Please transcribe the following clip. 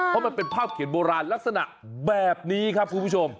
เพราะมันเป็นภาพเขียนโบราณลักษณะแบบนี้ครับคุณผู้ชม